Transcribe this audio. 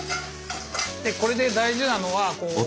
これで大事なのは落とし。